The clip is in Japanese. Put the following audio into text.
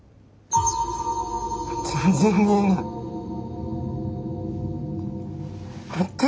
全然見えない。